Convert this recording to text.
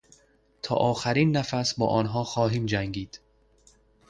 تا آخرین نفس با آنها خواهیم جنگید.